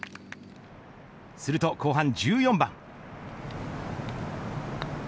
すると後半１４番。